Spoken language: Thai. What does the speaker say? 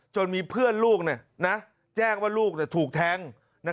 มีเพื่อนลูกแจ้งว่าลูกถูกแทง